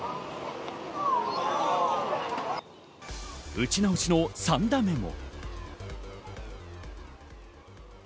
打ち直しの３打目も。